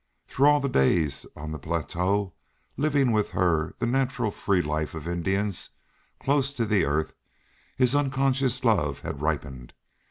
Through all the days on the plateau, living with her the natural free life of Indians, close to the earth, his unconscious love had ripened.